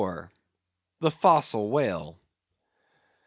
The Fossil Whale.